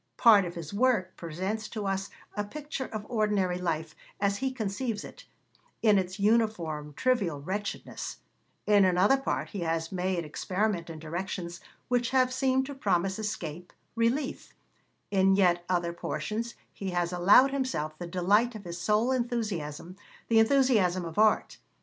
Part of his work presents to us a picture of ordinary life as he conceives it, in its uniform trivial wretchedness; in another part he has made experiment in directions which have seemed to promise escape, relief; in yet other portions he has allowed himself the delight of his sole enthusiasm, the enthusiasm of art.